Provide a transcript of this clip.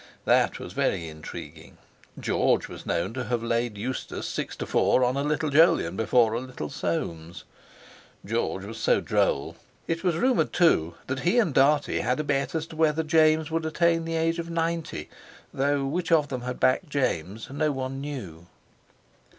That was very intriguing. George was known to have laid Eustace six to four on a little Jolyon before a little Soames. George was so droll! It was rumoured, too, that he and Dartie had a bet as to whether James would attain the age of ninety, though which of them had backed James no one knew.